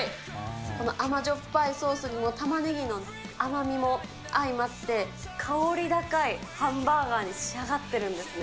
この甘じょっぱいソースにも、玉ねぎの甘みも相まって、香り高いハンバーガーに仕上がってるんですね。